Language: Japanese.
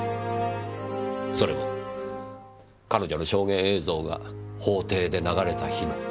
それも彼女の証言映像が法廷で流れた日の夜に。